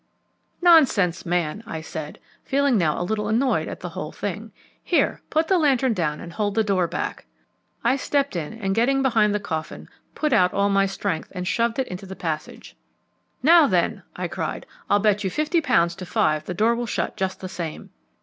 "Nonsense, man," I said, feeling now a little annoyed at the whole thing. "Here, put the lantern down and hold the door back." I stepped in and, getting behind the coffin, put out all my strength and shoved it into the passage. "Now, then," I cried, "I'll bet you fifty pounds to five the door will shut just the same."